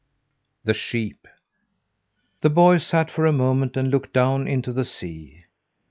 THE SHEEP The boy sat for a moment and looked down into the sea.